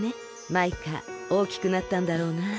マイカおおきくなったんだろうなあ。